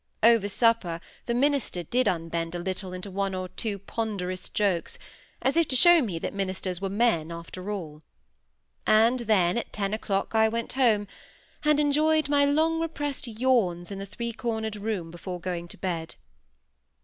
Over supper the minister did unbend a little into one or two ponderous jokes, as if to show me that ministers were men, after all. And then at ten o"clock I went home, and enjoyed my long repressed yawns in the three cornered room before going to bed.